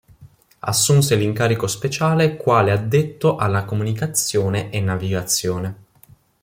Assunse l'incarico speciale quale addetto alla comunicazione e navigazione.